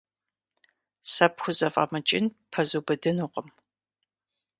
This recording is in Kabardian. Сэ пхузэфӀэмыкӀын ппэзубыдынукъым.